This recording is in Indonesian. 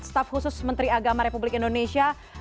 staf khusus menteri agama republik indonesia